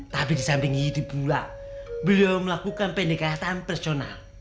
tapi di samping itu pula beliau melakukan pendekatan personal